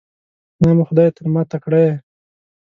نام خدای، تر ما تکړه یې.